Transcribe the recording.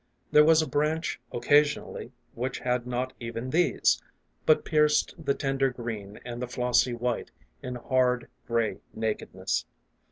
There was a branch occasionally which had not even these, but pierced the tender green and the flossy white in hard, gray naked ness.